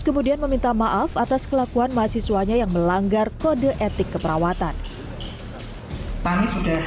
kemudian meminta maaf atas kelakuan mahasiswanya yang melanggar kode etik keperawatan kami sudah